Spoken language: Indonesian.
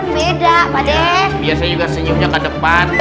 biasanya juga senyumnya ke depan